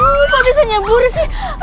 aduh kok bisa nyebur sih